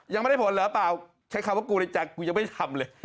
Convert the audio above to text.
ยังไม่ได้ผลหรือเปล่าใช้คำว่ากูลิจักรกูยังไม่ได้ทำเลย